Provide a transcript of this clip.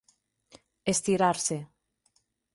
Estirar-se